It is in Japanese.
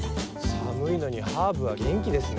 寒いのにハーブは元気ですね。